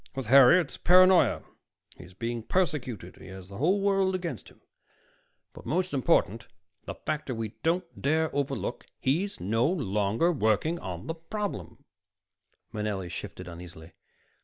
With Harry, it's paranoia. He's being persecuted; he has the whole world against him, but most important the factor we don't dare overlook he's no longer working on the problem." Manelli shifted uneasily.